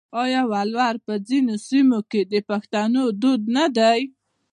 آیا ولور په ځینو سیمو کې د پښتنو دود نه دی؟